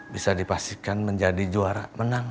bisa dipastikan menjadi juara menang